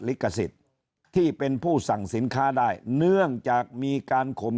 ลิขสิทธิ์ที่เป็นผู้สั่งสินค้าได้เนื่องจากมีการข่ม